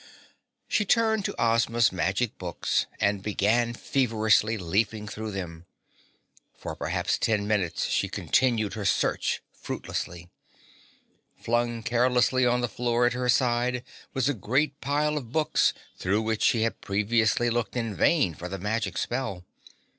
She turned to Ozma's magic books and began feverishly leafing through them. For perhaps ten minutes she continued her search fruitlessly. Flung carelessly on the floor at her side was a great pile of books through which she had previously looked in vain for the magic spell.